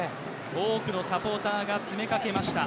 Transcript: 多くのサポーターが詰めかけました。